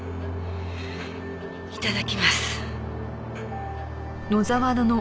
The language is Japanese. いただきます。